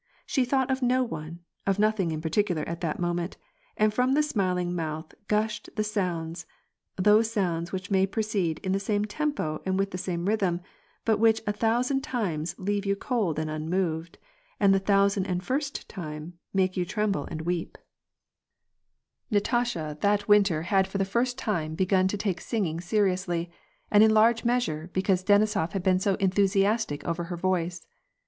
She thought of no one, of nothing in particular at that moment, and from the smiling mouth gushed the sounds, those sounds which may proceed in the same tempo and with the same rhythm, but which a thousand times leave you cold and unmoved, and the thousand and first time make you tremble and weep. WAR AND PEACE, 61 Natasha that winter had for the first time begun to take singing seriously, and in large measure because Denisof had been so enthusiastic over her yoice.